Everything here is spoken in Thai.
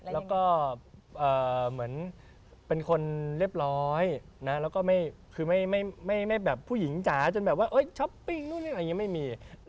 แล้วก็เหมือนเป็นคนเรียบร้อยนะแล้วก็ไม่แบบผู้หญิงจาจนแบบว่าเฮ้ยช้อปปิ้งไม่มี